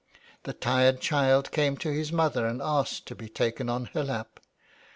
The tired child came to his mother and asked to be taken on her lap.